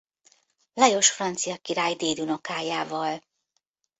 Lajos francia király dédunokájával.